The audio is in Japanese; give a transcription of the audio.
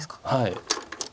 はい。